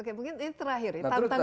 oke mungkin ini terakhir